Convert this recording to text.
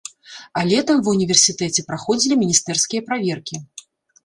А летам ва ўніверсітэце праходзілі міністэрскія праверкі.